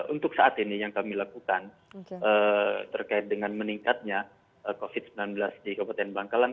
untuk saat ini yang kami lakukan terkait dengan meningkatnya covid sembilan belas di kabupaten bangkalan